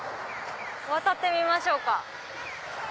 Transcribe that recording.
渡ってみましょうか。